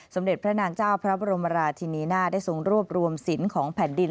สมเด็จพระนางเจ้าพระบรมราชินีนาได้ทรงรวบรวมศิลป์ของแผ่นดิน